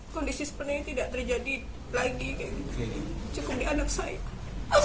kondisi sebenarnya tidak terjadi lagi cukup di anak saya